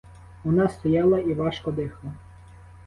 Вона стояла і важко дихала.